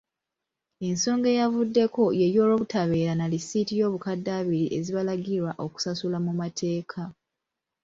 Ensonga eyavudeko yey'olwobutabeera na lisiiti y'obukadde abiri ezibalagirwa okusasula mu mateeka.